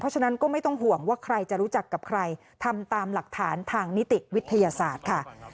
ฉะนั้นก็ไม่ต้องห่วงว่าใครจะรู้จักกับใครทำตามหลักฐานทางนิติวิทยาศาสตร์ค่ะ